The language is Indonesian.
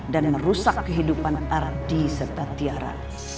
dan merusak kehidupan ardi serta tiara